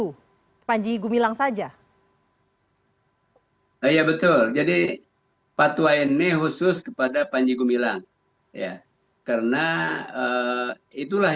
hai panji gumilang saja oh iya betul jadi patwain nih khusus kepada panji gumilang ya karena itulah